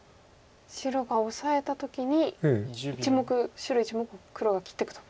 白がオサえた時に１目白１目を黒が切っていくと。